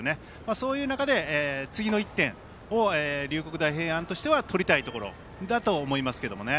そういう中で、次の１点を龍谷大平安としては取りたいところだと思いますけどもね。